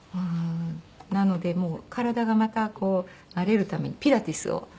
なので体がまた慣れるためにピラティスを。